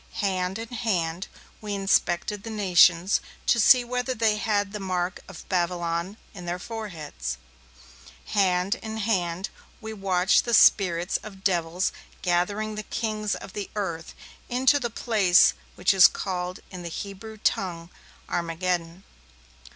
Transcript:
Hand in hand we inspected the nations, to see whether they had the mark of Babylon in their foreheads. Hand in hand we watched the spirits of devils gathering the kings of the earth into the place which is called in the Hebrew tongue Armageddon.